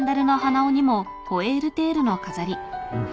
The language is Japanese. うん。